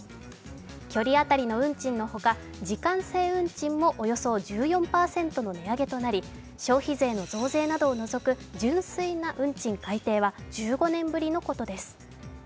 距離当たりの運賃のほか、時間制運賃もおよそ１４％の値上げとなり消費税の増税などを除く純粋な運賃改定は１５年ぶりのことです。